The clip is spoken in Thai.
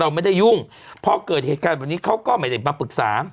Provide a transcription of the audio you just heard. ไม่ได้ยุ่งพอเกิดเหตุการณ์แบบนี้เขาก็ไม่ได้มาปรึกษา